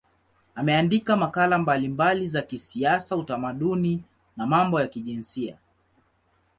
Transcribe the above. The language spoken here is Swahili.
Ameandika makala mbalimbali za kisiasa, utamaduni na mambo ya kijinsia.